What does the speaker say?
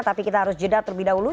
tapi kita harus jeda terlebih dahulu